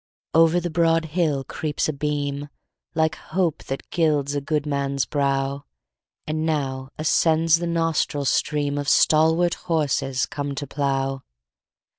Over the broad hill creeps a beam, Like hope that gilds a good man's brow; 10 And now ascends the nostril stream Of stalwart horses come to plough.